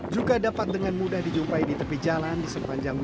juga dapat dengan mudah dijumpai di tepi jalan di sepanjang jalan